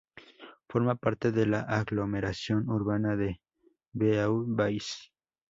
Forma parte de la aglomeración urbana de Beauvais.